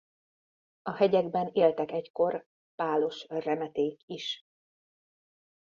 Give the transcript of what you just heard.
A hegyekben éltek egykor pálos remeték is.